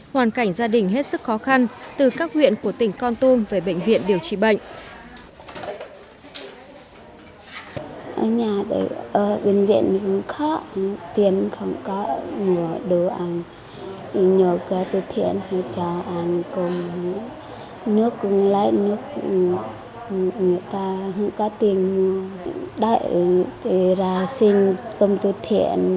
hoàn cảnh gia đình hết sức khó khăn từ các huyện của tỉnh con tum về bệnh viện điều trị bệnh